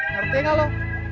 ngerti gak lu